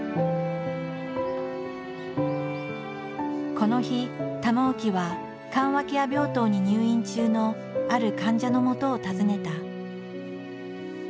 この日玉置は緩和ケア病棟に入院中のある患者のもとを訪ねた。